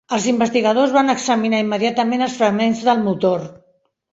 Els investigadors van examinar immediatament els fragments del motor.